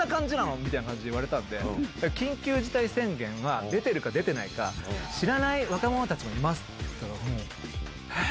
みたいな感じで言われたんで、緊急事態宣言が出てるか出てないか、知らない若者たちもいますって言ったら、もう、えっ？